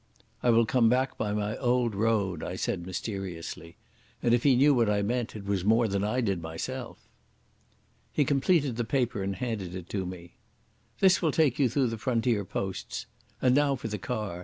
"I will come back by my old road," I said mysteriously; and if he knew what I meant it was more than I did myself. He completed the paper and handed it to me. "This will take you through the frontier posts. And now for the car.